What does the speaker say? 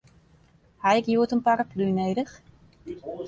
Ha ik hjoed in paraplu nedich?